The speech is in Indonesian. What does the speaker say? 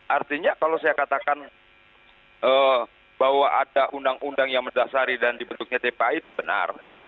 artinya kalau saya katakan bahwa ada undang undang yang mendasari dan dibentuknya tpa itu benar